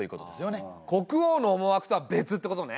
国王の思惑とは別ってことね。